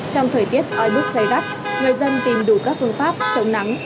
trong thời tiết oi bức gây gắt người dân tìm đủ các phương pháp chống nắng